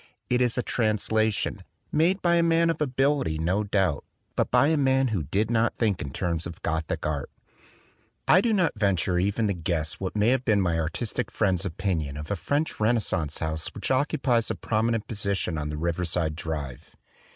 It is a translation, made by a man of ability, no doubt, but by a man who did not think in terms of Gothic art. I do not venture even to guess what may have been my artistic friend's opinion of a French Renascence house which occupies a prominent position on the Riverside Drive.